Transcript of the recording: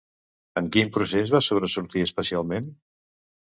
En quin procés va sobresortir especialment?